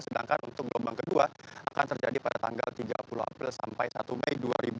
sedangkan untuk gelombang kedua akan terjadi pada tanggal tiga puluh april sampai satu mei dua ribu dua puluh